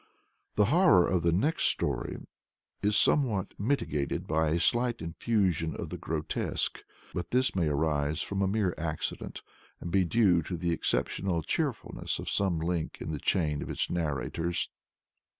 The horror of the next story is somewhat mitigated by a slight infusion of the grotesque but this may arise from a mere accident, and be due to the exceptional cheerfulness of some link in the chain of its narrators.